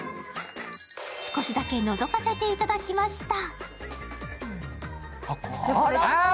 少しだけのぞかせていただきました。